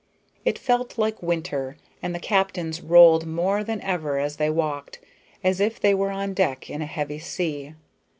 It felt like winter, and the captains rolled more than ever as they walked, as if they were on deck in a heavy sea.